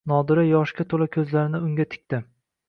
Nodira yoshga to`la ko`zlarini unga tikdi